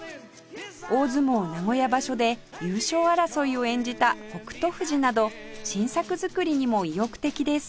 大相撲名古屋場所で優勝争いを演じた北勝富士など新作づくりにも意欲的です